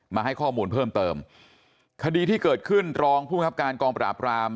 มาให้ข้อมูลเพิ่มเติมคดีที่เกิดขึ้นรองภูมิครับการกองปราบราม